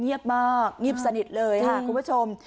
มากเงียบสนิทเลยค่ะคุณผู้ชม